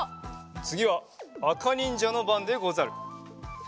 つぎはあかにんじゃのばんでござる。